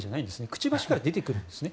くちばしから出てくるんですね。